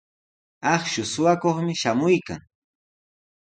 Akshu suqakuqmi shamuykan.